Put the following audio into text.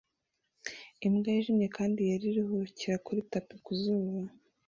Imbwa yijimye kandi yera iruhukira kuri tapi ku zuba